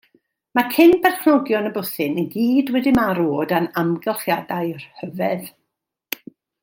Mae cyn perchenogion y bwthyn i gyd wedi marw o dan amgylchiadau rhyfedd.